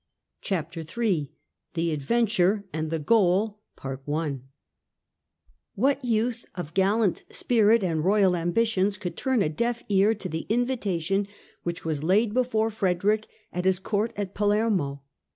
Chapter III THE ADVENTURE AND THE GOAL WHAT youth of gallant spirit and royal am bitions could turn a deaf ear to the invita tion which was laid before Frederick at his court of Palermo